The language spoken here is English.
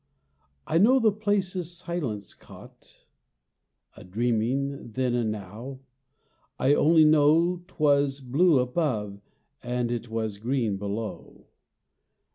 I know the place is Silence caught A dreaming, then and now. I only know 't was blue above, And it was green below.